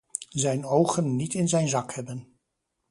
Zijn ogen niet in zijn zak hebben.